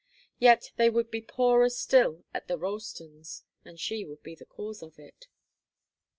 Yet they would be poorer still at the Ralstons, and she would be the cause of it.